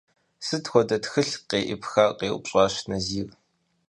– Сыт хуэдэ тхылъ къеӀыпхар? – къеупщӀащ Назир.